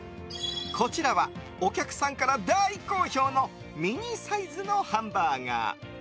こちらはお客さんから大好評のミニサイズのハンバーガー。